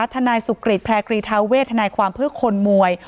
ธนัยสุทธิ์ภรรยากรีธาเวทธนัยความเพิ่งคนมวย